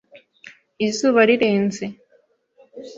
izuba rirenze. ”